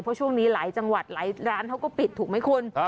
เพราะช่วงนี้หลายจังหวัดหลายร้านเขาก็ปิดถูกไหมคุณ